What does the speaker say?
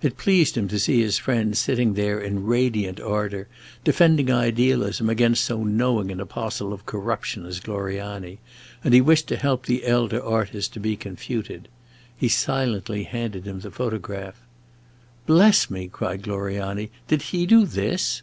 It pleased him to see his friend sitting there in radiant ardor, defending idealism against so knowing an apostle of corruption as Gloriani, and he wished to help the elder artist to be confuted. He silently handed him the photograph. "Bless me!" cried Gloriani, "did he do this?"